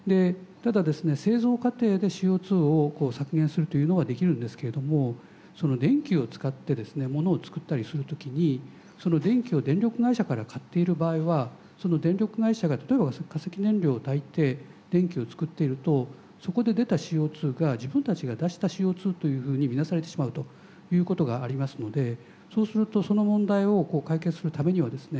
製造過程でＣＯを削減するというのはできるんですけれども電気を使ってですねものを作ったりする時に電気を電力会社から買っている場合はその電力会社が例えば化石燃料をたいて電気を作っているとそこで出たＣＯが自分たちが出したＣＯというふうに見なされてしまうということがありますのでそうするとその問題を解決するためにはですね